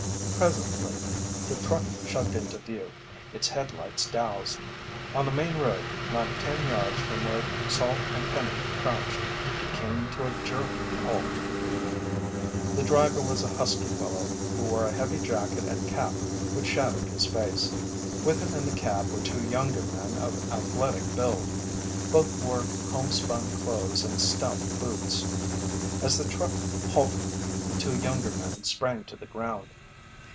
Presently the truck chugged into view, its headlights doused. On the main road, not ten yards from where Salt and Penny crouched, it came to a jerky halt. The driver was a husky fellow who wore a heavy jacket and cap which shadowed his face. With him in the cab were two younger men of athletic build. Both wore homespun clothes and stout boots. As the truck halted, the two younger men sprang to the ground.